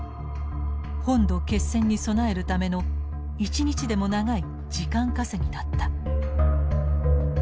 本土決戦に備えるための一日でも長い時間稼ぎだった。